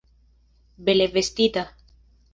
Bele vestita.